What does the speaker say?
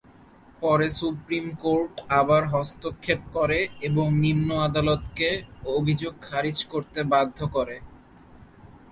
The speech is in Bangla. পরে সুপ্রিম কোর্ট আবার হস্তক্ষেপ করে এবং নিম্ন আদালতকে অভিযোগ খারিজ করতে বাধ্য করে।